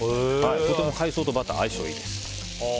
とても海藻とバター相性いいです。